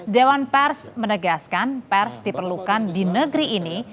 dewan pers menegaskan pers diperlukan di negeri ini